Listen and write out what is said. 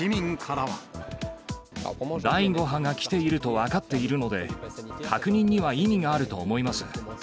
第５波が来ていると分かっているので、確認には意味があると思います。